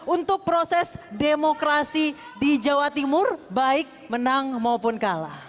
untuk proses demokrasi di jawa timur baik menang maupun kalah